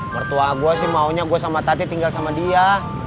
mertua gue sih maunya gue sama tati tinggal sama dia